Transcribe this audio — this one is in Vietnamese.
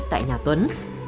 tại nhà tuấn